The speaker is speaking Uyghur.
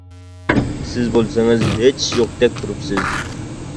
سىز بولسىڭىز ھېچ ئىش يوقتەك تۇرۇپسىز.